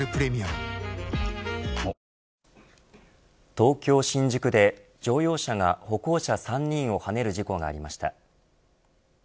東京・新宿で乗用車が歩行者３人をはねる事故がありました。